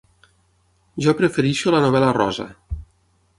Jo prefereixo la novel·la rosa.